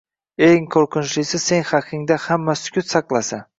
Eng qoʻrqinchlisi sen haqingda hamma sukut saqlasa